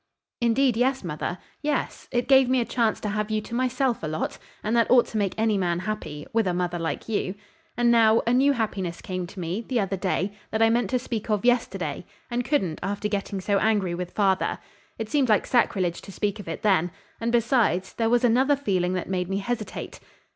"Indeed yes, mother. Yes. It gave me a chance to have you to myself a lot, and that ought to make any man happy, with a mother like you. And now a new happiness came to me, the other day, that I meant to speak of yesterday and couldn't after getting so angry with father. It seemed like sacrilege to speak of it then, and, besides, there was another feeling that made me hesitate."